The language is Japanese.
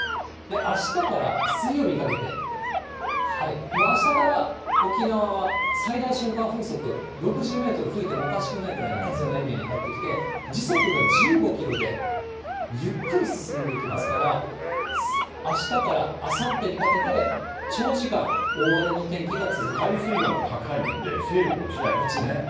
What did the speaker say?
あしたから水曜日にかけて、もうあしたから沖縄は最大瞬間風速６０メートル吹いてもおかしくないぐらいの風のエリアに入ってきて、時速が１５キロでゆっくり進んでいきますから、あしたからあさってにかけて長時間、海水温が高いんで、勢力落ち落ちない。